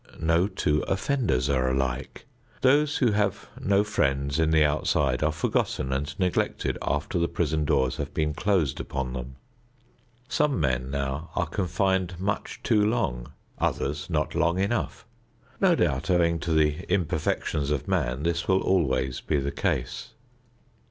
No two offenders are alike. Those who have no friends on the outside are forgotten and neglected after the prison doors have been closed upon them. Some men now are confined much too long; others not long enough. No doubt, owing to the imperfections of man, this will always be the case.